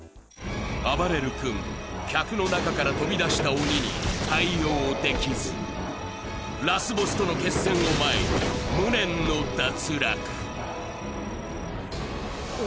あばれる君客の中から飛び出した鬼に対応できずラスボスとの決戦を前に無念の脱落鬼